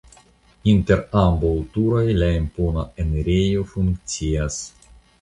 Inter ambaŭ turoj la impona enirejo funkcias.